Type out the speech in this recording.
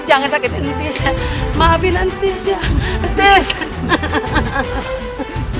jangan sakitin hentis ma maafin hentis ya